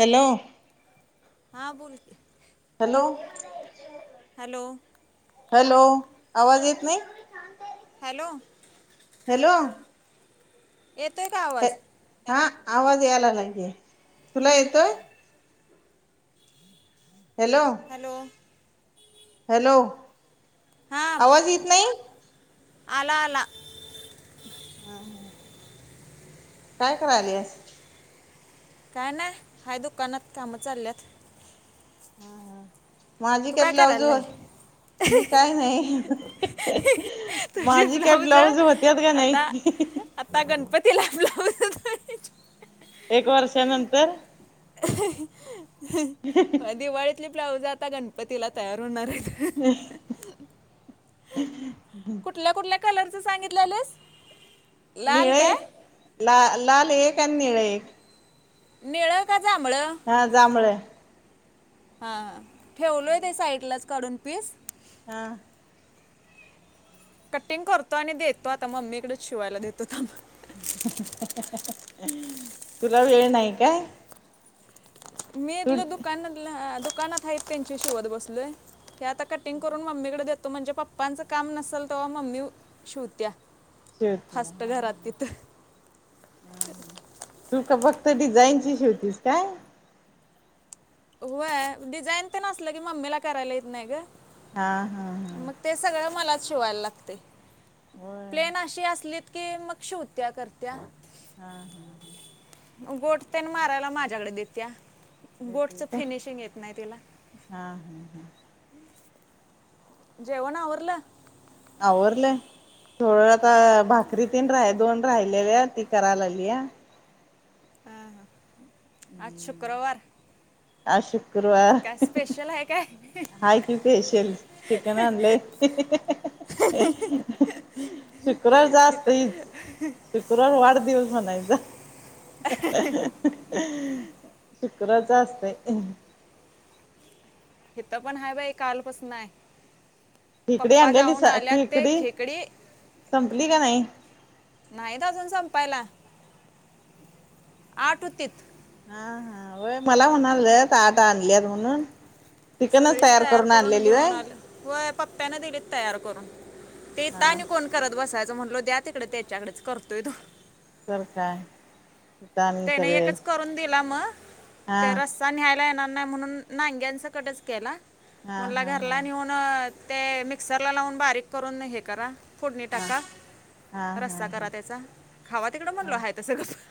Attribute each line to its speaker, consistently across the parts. Speaker 1: Hello
Speaker 2: हा... बोल की
Speaker 1: हॅलो
Speaker 2: हॅलो
Speaker 1: हॅलो... आवाज येत नाई?
Speaker 2: हॅलो
Speaker 1: हॅलो
Speaker 2: येतोय का आवाज?
Speaker 1: हा... आवाज याय लागला ते, तुला येतोय? हॅलो
Speaker 2: हॅलो
Speaker 1: हॅलो..
Speaker 2: हां
Speaker 1: आवाज ईत नाई?
Speaker 2: आला आला
Speaker 1: [unintelligible] काय करायलीयेस?
Speaker 2: काय नाय... हाय दुकानात, कामं चालल्यात
Speaker 1: हा.. माझी
Speaker 2: तू
Speaker 1: काय ब्लाउस.
Speaker 2: करायला लागली
Speaker 1: [unintelligible] मी काय नाई
Speaker 2: तुझे
Speaker 1: माझी काय, ब्लाऊज होत्यात का नाई?
Speaker 2: आता आता गणपतीला आपल्या... [unintelligible]
Speaker 1: एक वर्षानंतर
Speaker 2: [inaudible] अह हं.. हं.. दिवाळीत ते ब्लाऊज आता गणपतीला तयार होणारेत
Speaker 1: [unintelligible]
Speaker 2: कुठल्या, कुठल्या कलरचं सांगितलंलस?
Speaker 1: निळे... ला... लाल एक... आणि निळे एक
Speaker 2: निळं का जांभळं?
Speaker 1: हां... जांभळं.
Speaker 2: हा हा... ठेवलोय ते साईडलाच काढून पीस
Speaker 1: हा
Speaker 2: कटिंग करतो... आणि देतो. आता मम्मीकडेच शिवायला देतो थांब
Speaker 1: हं.. हं... तुला वेळ नाई काय?
Speaker 2: मी
Speaker 1: तू
Speaker 2: इथलं दुकानातलं... दुकानात हायेत, त्यांचे शिवत बसलोय हे आता कटिंग करून, मम्मीकडे देतो म्हणजे... पप्पांचं काम नसल तव्हा मम्मी शिवतीया...
Speaker 1: शिवते
Speaker 2: फास्ट
Speaker 1: हा
Speaker 2: घरात
Speaker 1: हा
Speaker 2: तिथं
Speaker 1: हा तू का फक्त डिझाईनची शिवतीस काय?
Speaker 2: व्हय.. डिझाईन तेन असलं की मम्मीला करायला येत नाही गं
Speaker 1: हा हा हा
Speaker 2: सगळं मलाच शिवायला लागतंय...
Speaker 1: होय
Speaker 2: प्लेन अशी असलीत की मग, शिवतीया... करत्या
Speaker 1: हा हा हा
Speaker 2: गोट तेन मारायला माझ्याकडे देतीया.
Speaker 1: [unintelligible]
Speaker 2: फिनिशिंग येत नाही तिला.
Speaker 1: हा हम् हा.
Speaker 2: हम. जेवण‌आवरल?
Speaker 1: आवरल. थोड आता भाकरी तीन रा दोन राहिलेले ती करायला लागली.
Speaker 2: हा आज शुक्रवार.
Speaker 1: आज शुक्रवार.
Speaker 2: त्याला एक काय.
Speaker 1: हाय कू पेशल चिकन आले. [unintelligible] शुक्रार जास्त.
Speaker 2: इथं
Speaker 1: शुक्रवार वाढदिवस म्हणायचा. [unintelligible] शुक्रच असतय.
Speaker 2: हेथ पण हा बाई कालपसून आहे.
Speaker 1: खेकडी
Speaker 2: पप्पा
Speaker 1: आणलेली
Speaker 2: जाऊन आल्यात ते खेकडी.
Speaker 1: संपली का नाही
Speaker 2: [inaudible] नाहीत अजून संपायला, आठ होतीत.
Speaker 1: हा हाय मला म्हणाल आट आणलीत म्हणून.
Speaker 2: ती
Speaker 1: चिकनच
Speaker 2: सगळीच
Speaker 1: तयार करून आणलेली व?
Speaker 2: घेऊन आलं होय पप्प्याने दिलेत तयार करून तेेत
Speaker 1: हा
Speaker 2: आणि कोण. करत बसायचं म्हटलो द्या तिकडे त्याच्याकडेच करतोय तो.
Speaker 1: कर काय. [inaudible]
Speaker 2: त्याने
Speaker 1: सगळे
Speaker 2: एकच करून दिला मग
Speaker 1: हा
Speaker 2: ते रस्. नयला येणार नाही म्हणून्यां कच केला म
Speaker 1: हा हा
Speaker 2: घ
Speaker 1: हा
Speaker 2: प ते मिक्सर ला लावून बारीक करून हे करा. फोडणी
Speaker 1: हा
Speaker 2: टाका
Speaker 1: हा हा
Speaker 2: रस्सा
Speaker 1: हा
Speaker 2: करा त्याचा खावा तिकडं मनल
Speaker 1: हा
Speaker 2: हय त सगळं.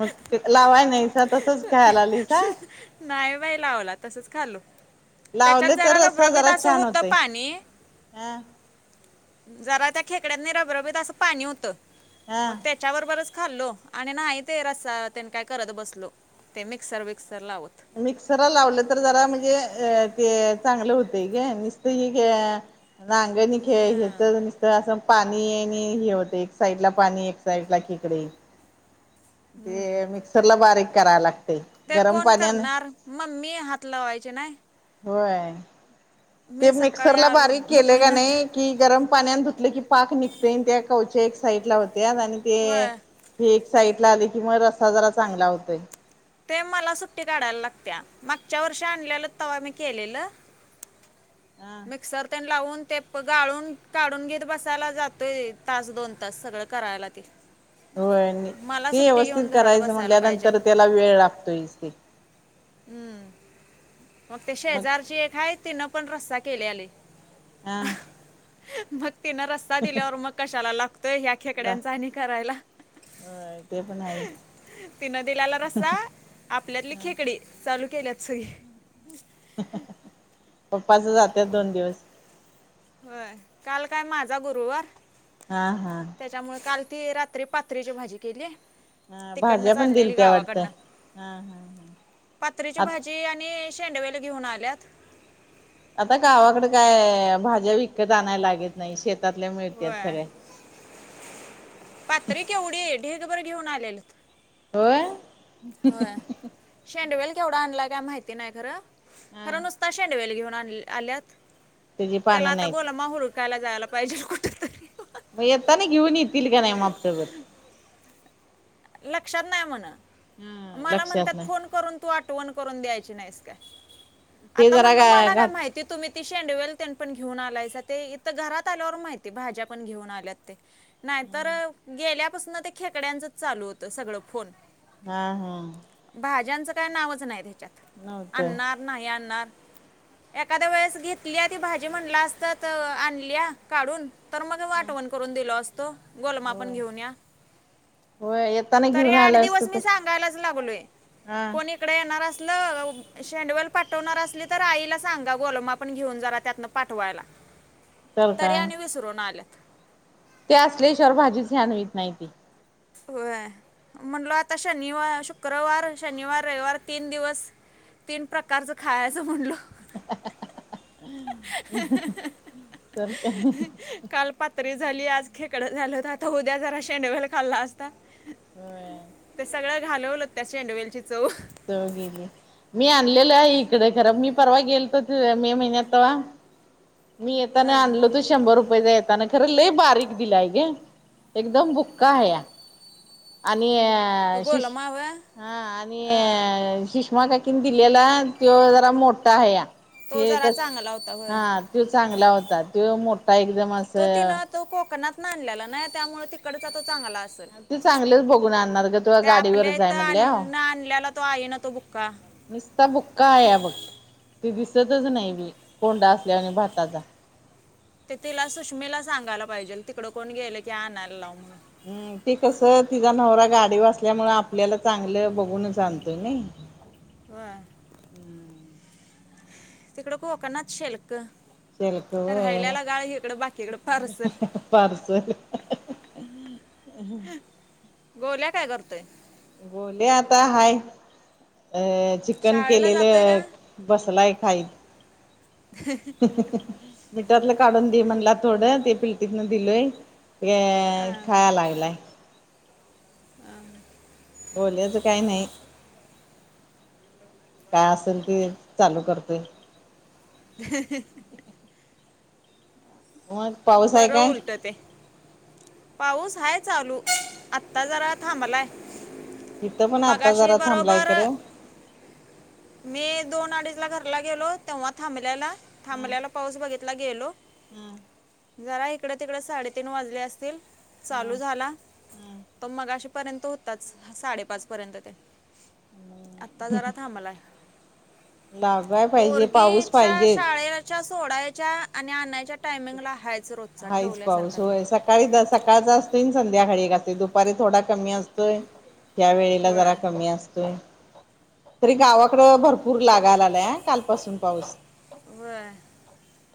Speaker 1: मग लावाय नाहीसा तसच ख्यायला आलीसा का?
Speaker 2: नाही बाई लावला तसच खालो. त्याच्यात
Speaker 1: लावले तर
Speaker 2: जरा
Speaker 1: रस्सा
Speaker 2: रबरबीत
Speaker 1: जरा
Speaker 2: असं
Speaker 1: छान
Speaker 2: होत
Speaker 1: होतय
Speaker 2: पाणी.
Speaker 1: हा
Speaker 2: [inaudible] जरा त्या खेकड्यानी रबरबीत असं पाणी होतं मग
Speaker 1: हा
Speaker 2: त्या. त्याच्यावर बरच खाल्लो आणि नाही ते रस्. त्यांने काय करत बसलो ते मिक्सर विक्सर लावत.
Speaker 1: मिक्सर लावलं तर जरा म्हणजे अ ते चांगलं होते ग नसत. नागणी खेळय
Speaker 2: ह
Speaker 1: तर. तर असं पाणी आणि हे होत एक साइड ला पाणी एक साइड ला खेकडे. ते मिक्सर ला बारीक कराय लागते.
Speaker 2: ते कोण करणार मम्मी हात लावायचे नाही.
Speaker 1: होय ते
Speaker 2: मी सकाळी
Speaker 1: मिक्सर ला
Speaker 2: आलो
Speaker 1: बारीक केले का
Speaker 2: दुकानात
Speaker 1: नाही. की गरम पाण्या धुतले की पाक निघते त्या कवच्या एक साइड ला होत्या आणि ते
Speaker 2: होय
Speaker 1: ही एक साइड ला आली की मग रस्ता जरा चांगला होतय.
Speaker 2: ते मला सुट्टी काढायला लागत्या मागच्या वर्षी आणलेलं तवा्हा मी केलेलं. मिक्सर. ण लावून ते गाळून काढून घेत बसायला जातोय तास दोन-तास सगळं करायला. ते [unintelligible]
Speaker 1: होय
Speaker 2: मला
Speaker 1: ते
Speaker 2: सुट्टी
Speaker 1: व्यवस्थित
Speaker 2: घेऊन घरात
Speaker 1: करायचं
Speaker 2: बसायला पाहिजेल
Speaker 1: म्हणल्यानंतर त्याला वेळ लागतोय ते.
Speaker 2: हम्म मग ते शेजारची एक आहेय तिनं पण रस्ता केले आले.
Speaker 1: हा.
Speaker 2: मग तिन रस्ता दिलेवर मग कशाला लागतोय ह.
Speaker 1: ह ते पण आहेच.
Speaker 2: तिनं दिलाला रस्सा आपल्यातली
Speaker 1: ह
Speaker 2: खेकडी चालू केल्यात सोई.
Speaker 1: पप्पाच जात दोन दिवस.
Speaker 2: होय काल काय माझा गुरुवार....
Speaker 1: हा हा....
Speaker 2: त्याच्यामुळे काल ती रात्री पथरीची भाजी केली....
Speaker 1: हा भाज्या
Speaker 2: तिकडनं
Speaker 1: पण
Speaker 2: आणलेली
Speaker 1: दिलत्या
Speaker 2: गावाकडन
Speaker 1: वाटतं. हा हा हा.
Speaker 2: पात्रची
Speaker 1: आ
Speaker 2: भाजी..... आणि शेंडवेली घेऊन आल्यात.....
Speaker 1: आता गावाकडे काय भाज्या विकत आणायला लागत नाही शेतातल्या मिळतात सगळे.....
Speaker 2: पात्र एवढी आहे ढेग बर घेऊन आलेल....
Speaker 1: हो.
Speaker 2: हो शेंडवेल केवढा आणला काय माहिती नाही खरं खरं नुसतं.... शेंडवेल घेऊन आल्यात
Speaker 1: त्याची
Speaker 2: त्याला
Speaker 1: पानं
Speaker 2: आता
Speaker 1: नाहीत
Speaker 2: गोला माहरकायला जायला पाहिजे कुठ.....
Speaker 1: मग येता ना घेऊन येतील का नाही मापटभर......
Speaker 2: लक्षात नाही म्हण
Speaker 1: हा
Speaker 2: मला म्हणतात
Speaker 1: लक्षात नाही
Speaker 2: फोन करून..... त आठवण करून द्यायची नाही का
Speaker 1: ते
Speaker 2: आ
Speaker 1: जरा
Speaker 2: म्हणल
Speaker 1: गा
Speaker 2: म का
Speaker 1: घाट
Speaker 2: माहिती तुम्ही..... ती शेंडवेल पण घेऊन आलायच ते इथं घरात आल्यावर माहिती भाज्या पण घेऊन आल्यात ते.... नाही तर गेल्यापासून ते खेकड्यांचं चालू होतं सगळं फोन.....
Speaker 1: हा हा.
Speaker 2: भाज्यांचं काय नावच नाही त्याच्यात
Speaker 1: नव्हतं.
Speaker 2: आणणार नाही आणणार..... एखाद्या वेळेस घेतली ती भाजी म्हटला असतात आणली काढून..... तर मग आठवण करून दिलो असतो गोलम आपण घेऊन या......
Speaker 1: हो येत.....
Speaker 2: तरी आठ दिवस मी सांगायलाच लागलोय
Speaker 1: हा
Speaker 2: कोणी इकडे येणार असल..... शेंडवल पाठवणार असली तर आईला सांगा घोलमा पण घेऊन जाला त्यातनं पाठवायला....
Speaker 1: ह.
Speaker 2: तरी आणि विसरूनन आलेत.....
Speaker 1: ते असल्याशिवाय भाजीच छान होत नाही ती.
Speaker 2: व म्हटलो आता शनिवार शुक्रवार शनिवार रविवार तीन दिवस..... तीन प्रकारचं खायचं म्हणलं....
Speaker 1: तर काय....
Speaker 2: काल पात्री झाली आज खेकडं झालं होत आता उद्या जरा शेंडवेल खाल्ला असता....
Speaker 1: हम्.
Speaker 2: ते सगळं घालवलं त्याची शेंडवेलची चव.....
Speaker 1: चव गेली मी आणलेलं आहे इकडे खर मी परवा गेलतो मे महिन्यात तेव्हा..... मी येताना
Speaker 2: हां
Speaker 1: आणलो.... शंभर रुपयेचा येताना खरं लय बारीक दिलाय गे एकदम बुक्का आहे या..... आणि अ शिष
Speaker 2: गोलमावं
Speaker 1: हा आणि
Speaker 2: हां
Speaker 1: शिष. म का की दिलेला त जरा मोठा आहे या....
Speaker 2: तो
Speaker 1: ते
Speaker 2: जरा
Speaker 1: कस
Speaker 2: चांगला होता होय
Speaker 1: हा त चांगला होता त मोठा एकदम
Speaker 2: तो
Speaker 1: असं....
Speaker 2: तिनं तो कोकणात ना आणलेला नाही त्यामुळे तिकडच चांगला.
Speaker 1: ते चांगलंच बघून आणणार ग तुला
Speaker 2: त्या आपल्या
Speaker 1: गाडीवरच आहे
Speaker 2: इथं
Speaker 1: म्हणल्याव
Speaker 2: आण आणल्याला तो आहे ना तो बुक्का.....
Speaker 1: नसता बुक्का आहे या बघ त दिसतच नाही बी कोंडा असल्या आणि भाताचा....
Speaker 2: ते तिला सुषमेला सांगायला पाहिजे तिकडडे कोण गेले की आणायला लाव म्हणून....
Speaker 1: हम् ती कस तिचा नवरा गाडी असल्यामुळं आपल्याला चांगलं बघून आणतोय ना....
Speaker 2: ह तिकडं खकना शेल्क.....
Speaker 1: शेल्क होय
Speaker 2: रायल्यालागाळ हकडं बाकीकड फारसेल....
Speaker 1: परस....
Speaker 2: गोल्या काय करतोय....
Speaker 1: बोले आता हाय... अ चिकन
Speaker 2: शाळेला जातोय का
Speaker 1: केलेलं बसलाय खाईत.... [unintelligible] मिठातलं काढून दे म्हणला थोडं ते पिलटीतन दिलोय ते
Speaker 2: हा.
Speaker 1: खा लागलाय. बोलचं काही नाही. काय असेल ते चालू करते.
Speaker 2: ह [unintelligible]
Speaker 1: मग पाऊस आहे
Speaker 2: बरं
Speaker 1: काय?
Speaker 2: उलट ते [unintelligible] पाऊस हा चालू आत्ता जरा थांबलाय.
Speaker 1: इथं पण आता
Speaker 2: मागाशी
Speaker 1: जरा थांबलाय
Speaker 2: बरोबर.
Speaker 1: खरं.
Speaker 2: [inaudible] मी दोन अडीच ला घरला गेलो तेव्हा थांबल्याला थांबल्याला. पाऊस बघितला गेलो.
Speaker 1: हम.
Speaker 2: जरा इकड तिकडें साडेतीन वाजले असतील चालू
Speaker 1: हम्म
Speaker 2: झाला.
Speaker 1: हम्म
Speaker 2: तो मग अशे पर्यंत होताच साडेपाच पर्यंत ते. आता जरा थांबलाय
Speaker 1: लागाय पाहिजे पाऊस
Speaker 2: पोरगीच्या
Speaker 1: पाहिजेच.
Speaker 2: शाळेला. च्या सोडायच्या आणि आणायच्या टायमिंगला हायच रत.
Speaker 1: हाच पाऊस होय सकाळी सकाळचा असतो संध्याकाळी घ असते दुपारी थोडा कमी असत. या वेला जरा
Speaker 2: वय
Speaker 1: कमी असतोय तरी गावाकड भरपूर. पूर लागायला आलाय काल पासून पाऊस
Speaker 2: वय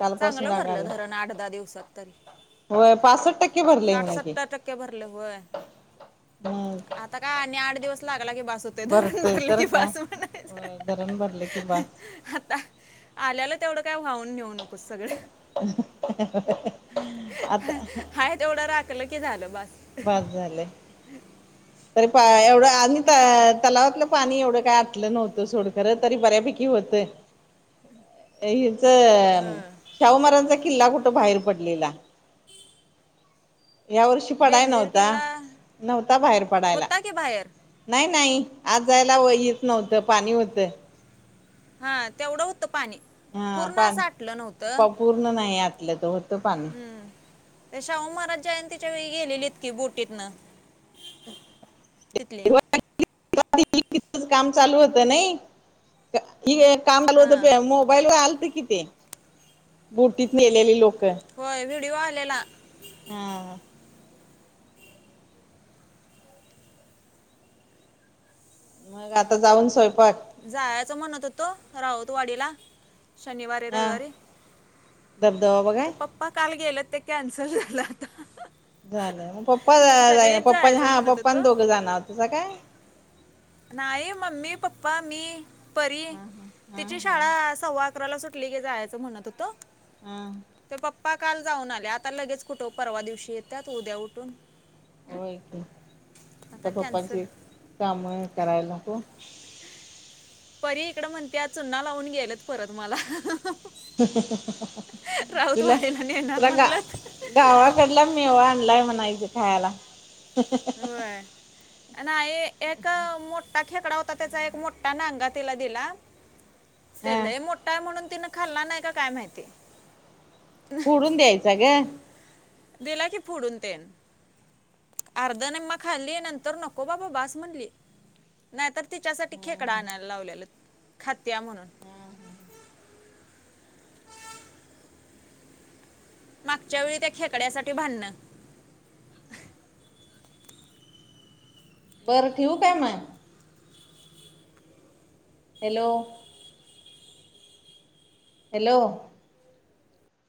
Speaker 1: काल पासून लागाला.
Speaker 2: आठधदा दिवसात. तरी.
Speaker 1: हो पासष्ट टक्क.
Speaker 2: साठसत्तर टक्के भरले होय
Speaker 1: हम्म
Speaker 2: आता काय आणि आठ दिवस लागला कि बासु. ते धरण
Speaker 1: भरतय
Speaker 2: बनले
Speaker 1: तर
Speaker 2: क
Speaker 1: काय.
Speaker 2: पाासव
Speaker 1: होय धरण भरले की बास
Speaker 2: आता. आल्याला तेवढं काय व्हाहून नेऊ नकोस सगळं.
Speaker 1: [unintelligible] आता
Speaker 2: हा ते एवढं राखलं की झालं बस.
Speaker 1: बाद झाले. [inaudible] तरी पा एवढं आणि त तलावातलं पाणी एवढं काय आटलं नव्हतं सोडखं तरी बऱ्यापैकी होतं. [inaudible] हिच
Speaker 2: हं
Speaker 1: शाहूमारांचा किल्ला कुठं बाहेर पडलेला. या वर्षी पडाय
Speaker 2: बेंजीर
Speaker 1: नव्हता
Speaker 2: किल्ला
Speaker 1: नव्हता बाहेर पडायला.
Speaker 2: होता की बाहेर
Speaker 1: नाही नाही आज जायला येत नव्हतं पाणी होतं.
Speaker 2: हा तेवढं होतं पाणी
Speaker 1: हा
Speaker 2: पूर्ण
Speaker 1: पाणी
Speaker 2: असं आटलं नव्हतं.
Speaker 1: पूर्ण नाही आतलं तो होतं पाण.
Speaker 2: हम् शाहू महाराज जयंतीच्या वेळी गेलेली इतकी बोटीतन. तिथले.
Speaker 1: [unintelligible] काम चालू होत नाही. काम आल होत
Speaker 2: हां
Speaker 1: प मोबाईलवर आलत किथ बुटीत नेलेले लोक.
Speaker 2: होय व्हिडिओ आलेला.
Speaker 1: हा. मग आता जाऊन स्वयंपाक?
Speaker 2: जायचं म्हणत होतो राहोत वाडीला शनिवारी
Speaker 1: हा
Speaker 2: रविवारी.
Speaker 1: धबधबा बघय.
Speaker 2: प काल गेलं ते कॅन्सल झालं आता.
Speaker 1: झालं मग पप्पा जाई
Speaker 2: सगळेच
Speaker 1: पप्पा
Speaker 2: जायचं
Speaker 1: हा
Speaker 2: म्हणत
Speaker 1: पप्पा
Speaker 2: होतो
Speaker 1: दोघं जाणार तुझ काय?
Speaker 2: नाही मम्मी, पप्पा, मी, परी
Speaker 1: हा हा हा
Speaker 2: तिची
Speaker 1: हा
Speaker 2: शाळा. सव्वा अकराला सुटली की जायचं म्हणत होतं.
Speaker 1: हम्म.
Speaker 2: ते पप्पा काल जाऊन आले आता लगेच कुठं परवा दिवशी येतात उद्या उठून.
Speaker 1: होय कता
Speaker 2: आता कॅन्सल
Speaker 1: पप्पांचे काम करायला हो.
Speaker 2: परी इकडं म्हणते चुन्ना लावून गेलेत परत मला.
Speaker 1: तुला
Speaker 2: राऊतवाडीला नेणार
Speaker 1: तुला गा
Speaker 2: म्हणलं
Speaker 1: गावा को. म्ह मीव आणलाय म्हणा एक खायला. [unintelligible]
Speaker 2: ना एक मोठा खेकडा होता त्याचा एक मोठा नंगा तिला दिला.
Speaker 1: हा
Speaker 2: तेलय मोठा आहे म्हणून तिनं खाल्ला नाही का काय माहिती. [unintelligible]
Speaker 1: फोडून द्यायचं ग.
Speaker 2: दिला की फुडून तन. अर्धनम्मा खाल्ली नंतर नको बाबा बास म्हणली. नाही तर तिच्यासाठी खेकडा आणायला लावलेला खात्या म्हणून. मागच्या वेळी त्या खेकड्यासाठीठी भांडणं.
Speaker 1: बरं ठेवू काय मग? हॅलो. हॅलो!